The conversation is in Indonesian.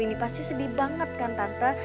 ini pasti sedih banget kan tanta